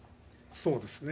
そうですね。